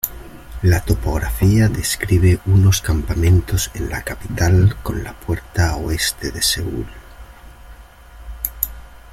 La topografía describe unos campamentos en la capital con la puerta oeste de Seúl.